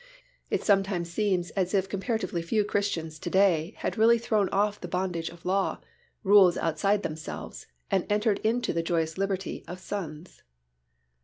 It sometimes seems as if comparatively few Christians to day had really thrown off the bondage of law, rules outside themselves, and entered into the joyous liberty of sons.